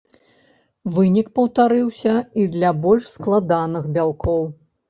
Вынік паўтарыўся і для больш складаных бялкоў.